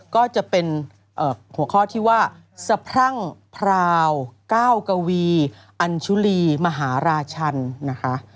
ก็จะเป็นหัวข้อที่ว่าสะพรั่งพราว๙กวีอัญชุลีมหาราชันนะคะ